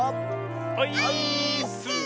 オイーッス！